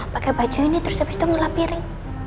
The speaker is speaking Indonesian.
pakai baju ini terus habis itu ngelapiring